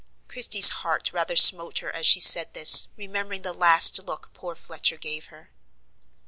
Christie's heart rather smote her as she said this, remembering the last look poor Fletcher gave her.